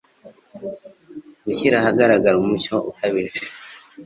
gushyira ahagaragara umucyo ukabije